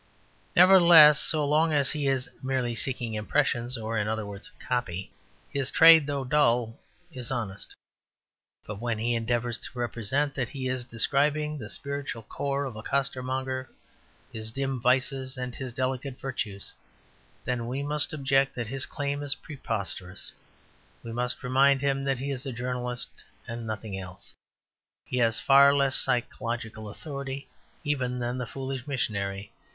Nevertheless, so long as he is merely seeking impressions, or in other words copy, his trade, though dull, is honest. But when he endeavours to represent that he is describing the spiritual core of a costermonger, his dim vices and his delicate virtues, then we must object that his claim is preposterous; we must remind him that he is a journalist and nothing else. He has far less psychological authority even than the foolish missionary.